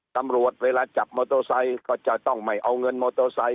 ตำรวจเวลาจับมอโตซัยก็จะต้องไม่เอาเงินมอโตซัย